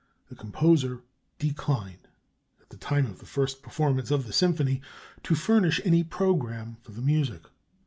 The composer declined, at the time of the first performance of the symphony, to furnish any programme for the music.